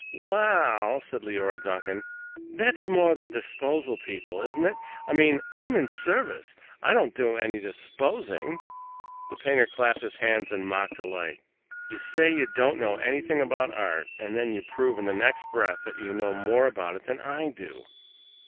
"Well," said Leora Duncan, "that's more the disposal people, isn't it? I mean, I'm in service. I don't do any disposing." The painter clapped his hands in mock delight. "You say you don't know anything about art, and then you prove in the next breath that you know more about it than I do!